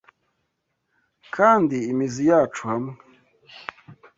Kandi imizi yacu hamwe